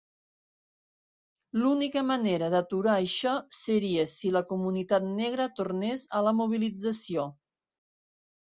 L'única manera d'aturar això seria si la comunitat negra tornés a la mobilització.